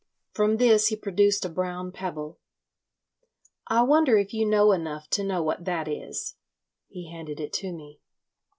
From this he produced a brown pebble. "I wonder if you know enough to know what that is?" He handed it to me.